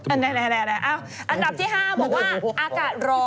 อันดับที่๕บอกว่า